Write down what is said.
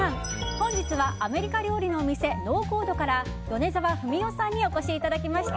本日はアメリカ料理のお店ＮｏＣｏｄｅから米澤文雄さんにお越しいただきました。